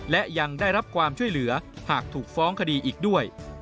และยังได้รับความช่วยเหลือหากถูกฟ้องคดีอีกด้วย